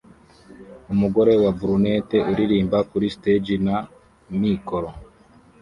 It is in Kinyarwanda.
Umugore wa Brunette uririmba kuri stage na mikoro